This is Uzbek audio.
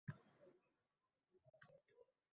Birlari ohu bo‘lsa, birlari og‘u